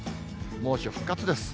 猛暑復活です。